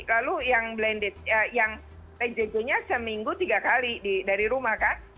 lalu yang blended yang pjj nya seminggu tiga kali dari rumah kan